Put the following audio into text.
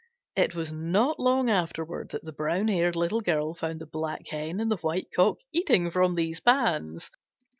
It was not long afterward that the brown haired Little Girl found the Black Hen and the White Cock eating from these pans.